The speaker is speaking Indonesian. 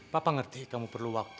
papa ngerti kamu perlu waktu